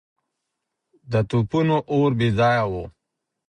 د توپونو اور بې ځایه و.